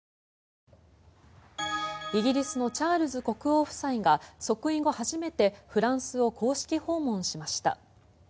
イギリスのチャールズ国王夫妻が即位後初めてフランスを公式訪問しました。